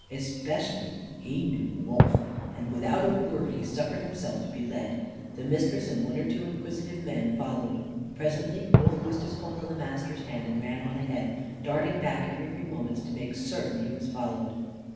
Especially he knew Wolf. And without a word he suffered himself to be led. The Mistress and one or two inquisitive men followed. Presently, Wolf loosed his hold on the Master's hand and ran on ahead, darting back every few moments to make certain he was followed.